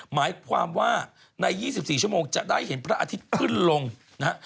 หมายความว่าใน๒๔ชั่วโมงจะได้เห็นพระอาทิตย์ขึ้นลงนะฮะ